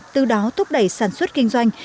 từ đó thúc đẩy sản xuất kinh doanh